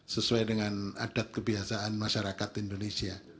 sesuai dengan adat kebiasaan masyarakat indonesia